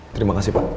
terima kasih pak